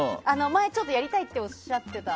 前、ちょっとやりたいとおっしゃっていた。